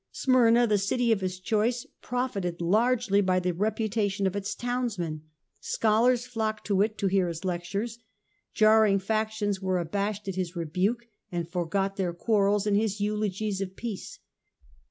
Smyrna, the city of his choice, profited largely by the reputation of its townsman. Scholars flocked to it to hear his lectures. Jarring factions were abashed at his rebuke, and forgot their quarrels in his eulogies of peace.